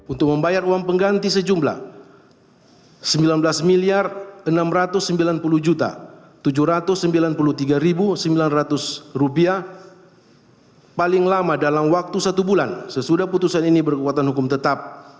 untuk membayar uang pengganti sejumlah sembilan belas enam ratus sembilan puluh tujuh ratus sembilan puluh tiga sembilan ratus paling lama dalam waktu satu bulan sesudah putusan ini berkekuatan hukum tetap